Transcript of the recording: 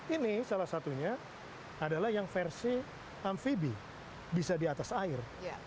ini salah satunya adalah yang versi amfibi bisa di atas air